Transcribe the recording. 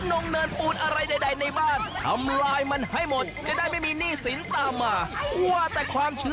นมเนินปูนอะไรใดในบ้าน